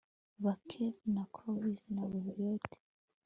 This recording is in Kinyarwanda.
bake, na crocus, na violets